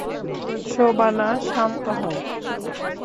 শোবানা, শান্ত হও!